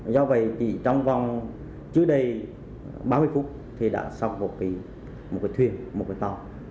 do vậy chỉ trong vòng chứa đầy ba mươi phút thì đã xong một cái thuyền một cái tàu